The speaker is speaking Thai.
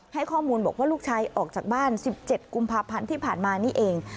ให้ข้อมูลบอกว่าลูกชายออกจากบ้าน๑๗กุมภาพันธ์ที่ผ่านมานี่เอง